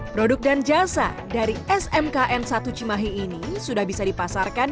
produk dan jasa dari smkn satu cimahi ini sudah bisa dipasarkan